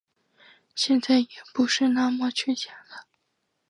现在也不是那么缺钱了